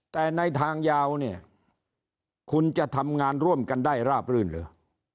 แต่ในทางยาวเนี่ยคุณจะทำงานร่วมกันได้ราบรื่นเหรอ